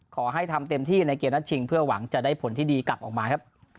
ขอให้ทำเต็มที่ในเกมนัดชิงเพื่อหวังจะได้ผลที่ดีกลับออกมาครับ